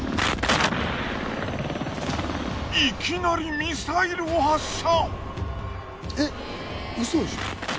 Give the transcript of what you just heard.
いきなりミサイルを発射。